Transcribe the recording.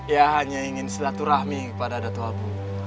ya hanya ingin silaturahmi kepada datu abu